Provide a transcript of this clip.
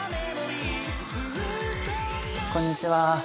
こんにちは。